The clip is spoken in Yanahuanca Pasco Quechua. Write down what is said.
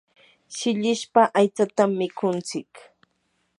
shillishqa aytsatam mikuntsik.